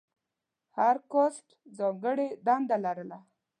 هر کاسټ ځانګړې دنده لرله.